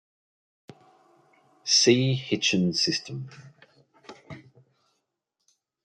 See Hitchin system.